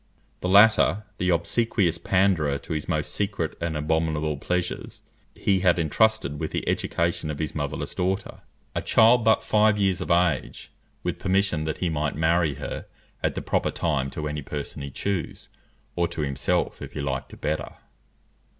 The latter, the obsequious panderer to his most secret and abominable pleasures, he had entrusted with the education of his motherless daughter, a child but five years of age, with permission that he might marry her at the proper time to any person he chose, or to himself if he liked it better.